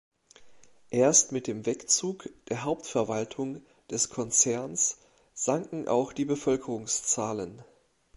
Erst mit dem Wegzug der Hauptverwaltung des Konzerns sanken auch die Bevölkerungszahlen.